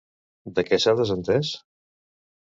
De què s'ha desentès?